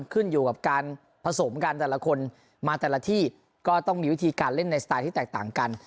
ขึ้นอยู่กับการผสมกันแต่ละคนมาแต่ละที่ก็ต้องมีวิธีการเล่นในสไตล์ที่แตกต่างกัน